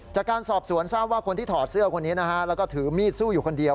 จากการสอบสวนทราบว่าคนที่ถอดเสื้อคนนี้นะฮะแล้วก็ถือมีดสู้อยู่คนเดียว